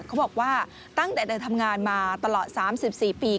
เขาบอกว่าตั้งแต่เดินทำงานมาตลอด๓๔ปี